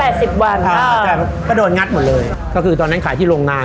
ก็๘๐วันก็โดนงัดหมดเลยก็คือตอนนั้นขายที่โรงงาน